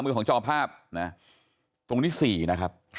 ตรงนี้๔นะครับ